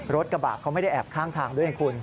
รถกระบะเขาไม่ได้แอบข้างทางด้วยไงคุณ